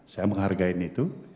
saya menghargai ini